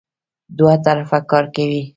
دوه طرفه کار کوي.